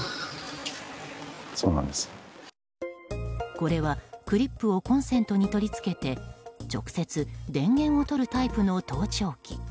これは、クリップをコンセントに取り付けて直接電源をとるタイプの盗聴器。